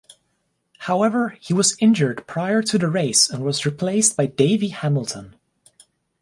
However, he was injured prior to the race and was replaced by Davey Hamilton.